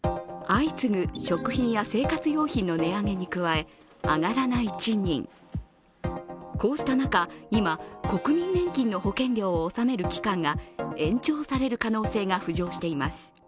相次ぐ食品や生活用品の値上げに加え上がらない賃金、こうした中、今、国民年金の保険料を納める期間が延長される可能性が浮上しています。